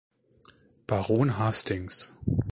Baron Hastings.